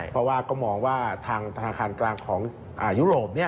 เพราะว่าก็มองว่าทางธนาคารกลางของยุโรป